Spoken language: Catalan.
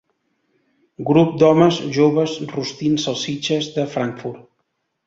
Grup d'homes joves rostint salsitxes de Frankfurt.